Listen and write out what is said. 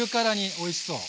おいしそう！